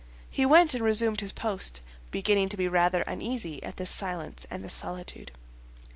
He went and resumed his post, beginning to be rather uneasy at this silence and this solitude.